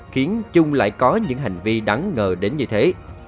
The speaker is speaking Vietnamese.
khiến trung lại có những hành vi đáng ngờ đến như thế